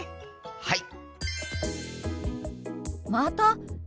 はい！